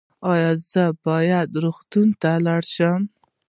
ایا زه باید روغتون ته لاړ شم؟